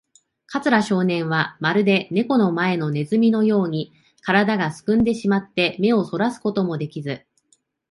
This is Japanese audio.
桂少年は、まるでネコの前のネズミのように、からだがすくんでしまって、目をそらすこともできず、